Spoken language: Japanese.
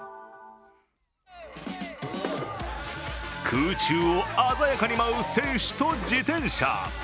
空中を鮮やかに舞う選手と自転車。